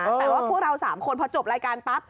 แต่ว่าพวกเรา๓คนพอจบรายการปั๊บ